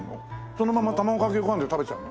そのまま卵かけご飯で食べちゃうの？